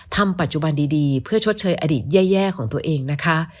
ทำปัจจุบันดีเพื่อชดเชยอดีตแย่ของตัวเองนะคะ